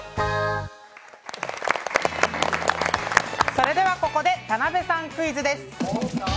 それではここで田辺さんクイズです。